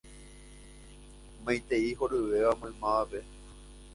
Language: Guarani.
Maitei horyvéva maymávape.